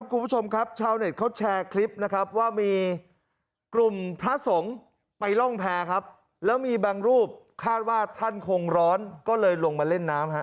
คุณผู้ชมครับชาวเน็ตเขาแชร์คลิปนะครับว่ามีกลุ่มพระสงฆ์ไปร่องแพร่ครับแล้วมีบางรูปคาดว่าท่านคงร้อนก็เลยลงมาเล่นน้ำฮะ